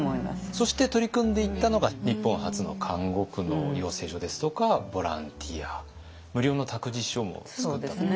そして取り組んでいったのが日本初の看護婦の養成所ですとかボランティア無料の託児所も作ったということですけどね。